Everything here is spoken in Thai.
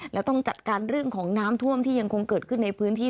และต้องจัดการเรื่องของน้ำท่วมที่ยังคงเกิดขึ้นในพื้นที่